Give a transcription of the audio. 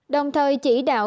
đồng thời chỉ đạo